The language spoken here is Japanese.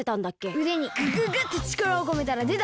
うでにグググッてちからをこめたらでた！